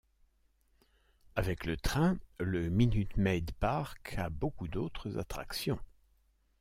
Avec le train, le Minute Maid Park a beaucoup d'autres attractions.